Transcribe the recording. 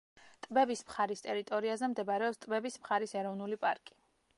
ტბების მხარის ტერიტორიაზე მდებარეობს ტბების მხარის ეროვნული პარკი.